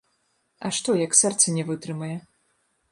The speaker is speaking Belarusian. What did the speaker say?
А што, як сэрца не вытрымае?